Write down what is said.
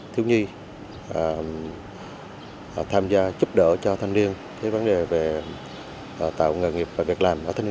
tuyên truyền pháp luật về an toàn giao thông tội phạm ma túy